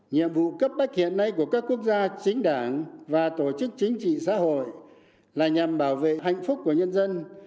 nhiệm vụ cấp bách hiện nay của các quốc gia chính đảng và tổ chức chính trị xã hội là nhằm bảo vệ hạnh phúc của nhân dân